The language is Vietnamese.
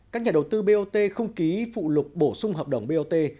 các nhà đầu tư bot không ký phụ lục bổ sung hợp đồng bot